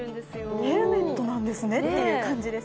ヘルメットなんですねって感じですよ。